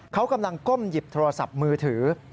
เขากำลังก้มหยิบโทรศัพท์มือถือ